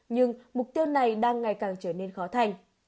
nhưng mục tiêu này đang ngày càng trở nên khó thành